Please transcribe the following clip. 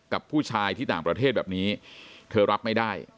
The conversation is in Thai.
กับผู้ชายที่ต่างประเทศแบบนี้เธอรับไม่ได้